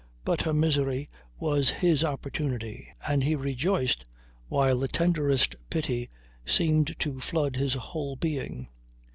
But her misery was his opportunity and he rejoiced while the tenderest pity seemed to flood his whole being.